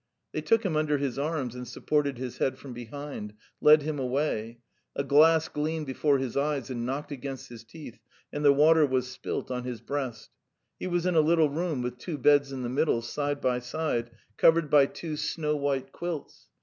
..." They took him under his arms, and supporting his head from behind, led him away; a glass gleamed before his eyes and knocked against his teeth, and the water was spilt on his breast; he was in a little room, with two beds in the middle, side by side, covered by two snow white quilts.